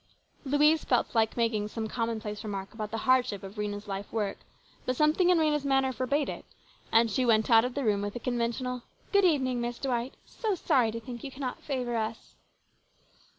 Louise felt like making some commonplace remark about the hardship of Rhena's life work, but something in Rhena's manner forbade it, and she went out of the room with a conventional "Good evening, Miss Dwight. So sorry to think you cannot favour us."